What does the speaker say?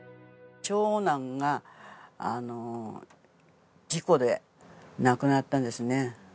長男が事故で亡くなったんですね。